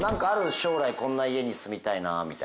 将来こんな家に住みたいみたいな。